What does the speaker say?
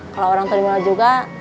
kalau orang terima juga